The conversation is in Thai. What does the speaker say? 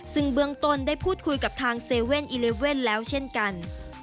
ซึ่งเบื้องต้นได้พูดคุยกับทาง๗๑๑แล้วเช่นกัน